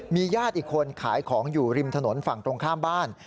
ญาติอีกคนขายของอยู่ริมถนนฝั่งตรงข้ามบ้าน